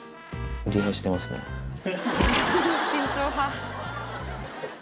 慎重派。